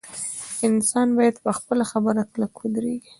انسان باید په خپله خبره کلک ودریږي.